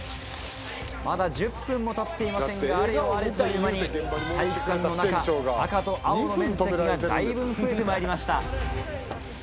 まだ１０分もたっていませんがあれよあれという間に体育館の中赤と青の面積がだいぶん増えてまいりました。